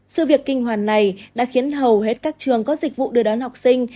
sự việc kinh hoàn này đã khiến hầu hết các trường có dịch vụ đưa đón học sinh